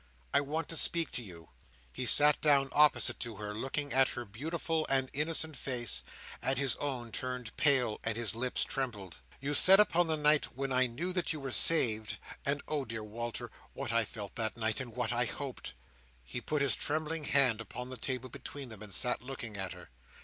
I want to speak to you." He sat down opposite to her, looking at her beautiful and innocent face; and his own turned pale, and his lips trembled. "You said, upon the night when I knew that you were saved—and oh! dear Walter, what I felt that night, and what I hoped!—" He put his trembling hand upon the table between them, and sat looking at her.